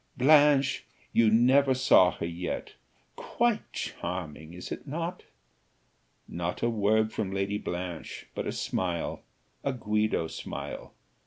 Blanche, you never saw her yet. Quite charming, is it not?" Not a word from Lady Blanche, but a smile, a Guido smile.